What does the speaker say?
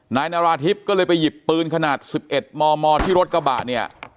นายนาราธิบก็เลยไปหยิบปืนขนาด๑๑มมที่รถกระบะเนี่ย